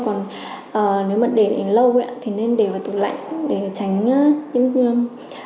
còn nếu mà để lâu thì nên để vào tủ lạnh để tránh những